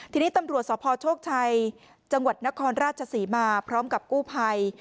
ทีนี้ตำรวจสพโชคชัยจังหวัดนครราชศรีมาพร้อมกับกู้ภัย